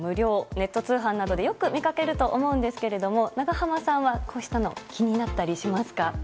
ネット通販などでよく見かけると思うんですけれども長濱さんは、こうしたのに気になったりしますか？